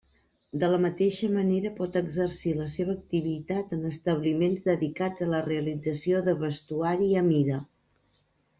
De la mateixa manera pot exercir la seva activitat en establiments dedicats a la realització de vestuari a mida.